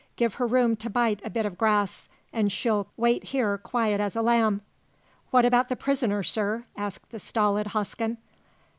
Give her room to bite a bit of grass, and she'll wait here quiet as a lamb." "What about the prisoner, sir?" asked the stolid Hosken.